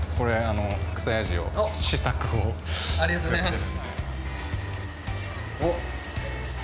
ありがとうございます。